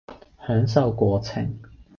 享受過程